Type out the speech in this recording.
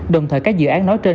đồng thời các dự án nói trên